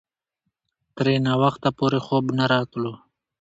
ترې ناوخته پورې خوب نه راتلو.